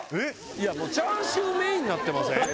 いやもうチャーシューメインになってません？